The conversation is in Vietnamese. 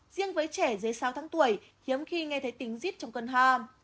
riêng với trẻ dưới sáu tháng tuổi hiếm khi nghe thấy tính rít trong cơn hoa